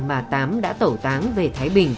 và tám đã tẩu táng về thái bình